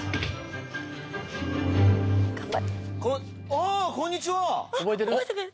あぁこんにちは！